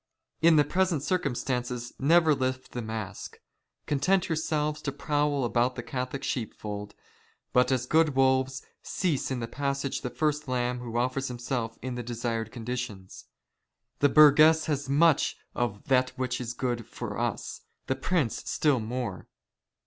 In the " present circumstances never lift the mask. Content yourselves " to prowl about the Catholic sheepfold, but as good wolves "seize in the passage the first lamb who oifers himself in the " desired conditions. The burgess has much of that which is '^ good for us, the prince still more.